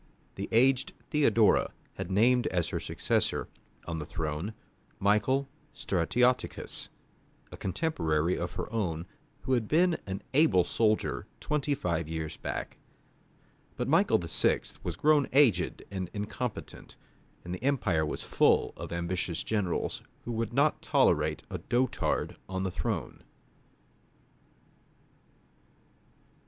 The aged Theodora had named as her successor on the throne Michael Stratioticus, a contemporary of her own who had been an able soldier twenty five years back. But Michael VI. was grown aged and incompetent, and the empire was full of ambitious generals, who would not tolerate a dotard on the throne.